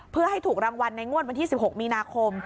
เพื่อให้ถูกรางวัลในงวดวันที่๑๖มีนาคม